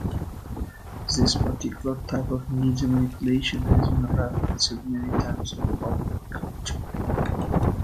This particular type of media manipulation has been referenced many times in popular culture.